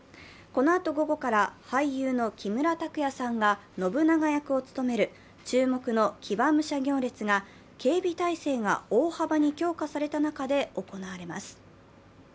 このあと午後から俳優の木村拓哉さんが信長役を務める注目の騎馬武者行列が、警備態勢が大幅に強化された中で行われます。